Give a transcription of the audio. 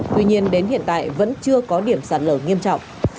tuy nhiên đến hiện tại vẫn chưa có điểm sạt lở nghiêm trọng